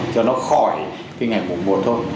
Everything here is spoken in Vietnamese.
cho nó khỏi cái ngày mùng một thôi